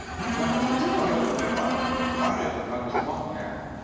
何かシチューの要素もやっぱあるような感じしますね。